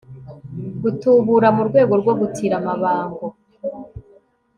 gutubura mu rwego rwo gutira amabango